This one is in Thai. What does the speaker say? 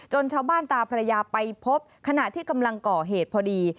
ชาวบ้านตาพระยาไปพบขณะที่กำลังก่อเหตุพอดี